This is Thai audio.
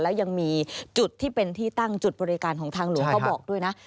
แล้วยังมีจุดที่เป็นที่ตั้งจุดบริการของทางหลวงเขาบอกด้วยนะ